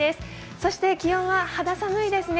そして気温は肌寒いですね。